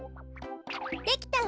できたわ！